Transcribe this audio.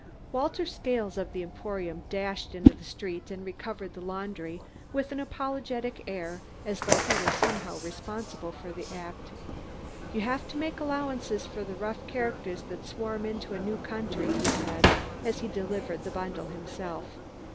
Walter Scales of the Emporium dashed into the street and recovered the laundry with an apologetic air as though he were somehow responsible for the act. "You have to make allowances for the rough characters that swarm into a new country," he said, as he delivered the bundle himself.